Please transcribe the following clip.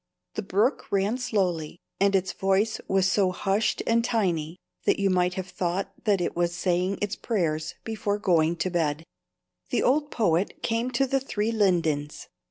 The brook ran slowly, and its voice was so hushed and tiny that you might have thought that it was saying its prayers before going to bed. The old poet came to the three lindens.